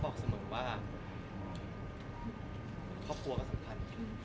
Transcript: ก๊อฟก็จะบอกสมมติว่าครอบครัวก็สำคัญ